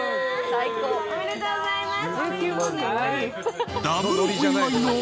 おめでとうございます。